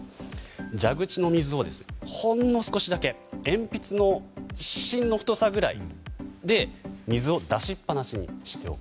蛇口の水をほんの少しだけ鉛筆の芯の太さぐらいで水を出しっぱなしにしておく。